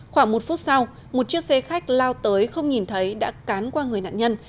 khoảng một phút sau một chiếc xe khách lao tới không nhìn thấy đã cán qua người nạn nhân